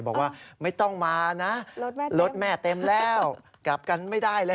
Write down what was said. บอกว่าไม่ต้องมานะรถแม่เต็มแล้วกลับกันไม่ได้แล้ว